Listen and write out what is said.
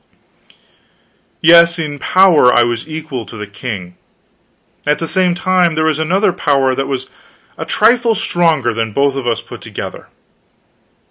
Yes, in power I was equal to the king. At the same time there was another power that was a trifle stronger than both of us put together.